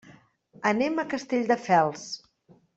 Anem a Castelldefels.